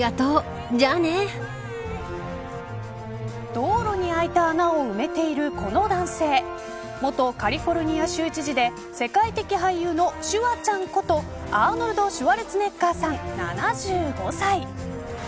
道路に空いた穴を埋めているこの男性元カリフォルニア州知事で世界的俳優のシュワちゃんことアーノルド・シュワルツェネッガーさん７５歳。